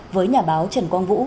với nhà báo trần quang vũ